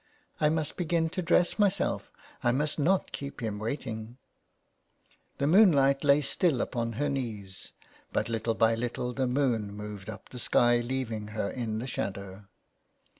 " I must begin to dress myself; I must not keep him waiting." The moonlight lay still upon her knees, but little by little the moon moved up the sky, leaving her in the shadow.